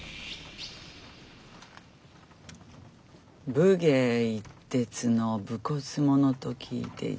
武芸一徹の武骨者と聞いていたが。